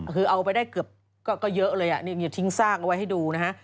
คือเอาไปได้เกือบก็เยอะเลยอย่าทิ้งซากเอาไว้ให้ดูนะฮะ